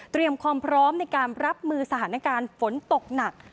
ความพร้อมในการรับมือสถานการณ์ฝนตกหนัก